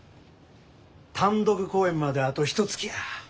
単独公演まであとひとつきや。